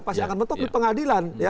pasti akan mentok di pengadilan